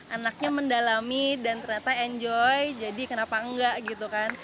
anaknya mendalami dan ternyata enjoy jadi kenapa enggak gitu kan